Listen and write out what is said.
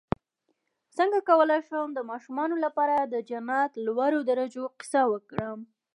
څنګه کولی شم د ماشومانو لپاره د جنت لوړو درجو کیسه وکړم